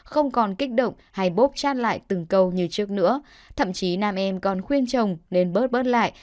không còn kích động hay bốp chát lại từng câu như trước nữa thậm chí nam em còn khuyên chồng nên bớt lại